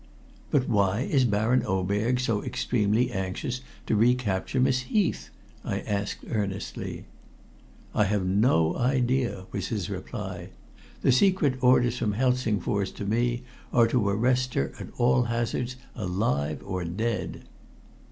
"But why is Baron Oberg so extremely anxious to recapture Miss Heath?" I asked earnestly. "I have no idea," was his reply. "The secret orders from Helsingfors to me are to arrest her at all hazards alive or dead."